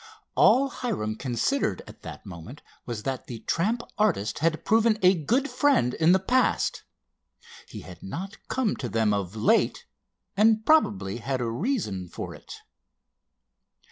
All Hiram considered at that moment was that the tramp artist had proven a good friend in the past. He had not come to them of late, and probably had a reason for it.